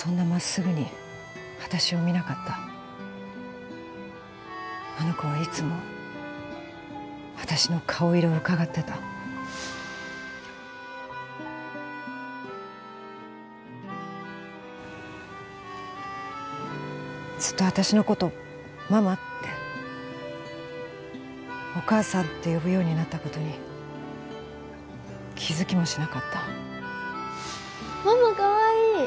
まっすぐに私を見なかったあの子はいつも私の顔色をうかがってたずっと私のことママってお母さんって呼ぶようになったことに気づきもしなかったママかわいい